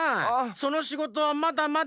そのしごとはまだまだ。